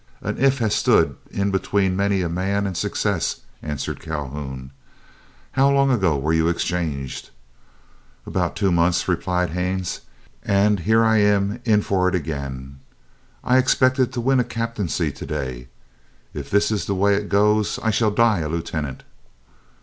"An 'if' has stood in between many a man and success," answered Calhoun. "How long ago were you exchanged?" "About two months," replied Haines, "and here I am in for it again. I expected to win a captaincy to day. If this is the way it goes, I shall die a lieutenant."